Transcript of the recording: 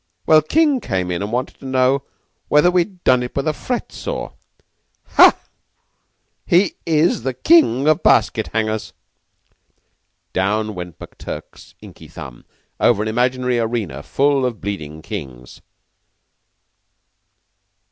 Well, King came in and wanted to know whether we'd done it with a fret saw! Yah! He is the King of basket hangers!" Down went McTurk's inky thumb over an imaginary arena full of bleeding Kings.